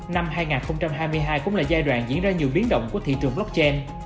năm hai nghìn hai mươi hai cũng là giai đoạn diễn ra nhiều biến động của thị trường blockchain